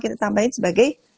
kita tambahin sebagai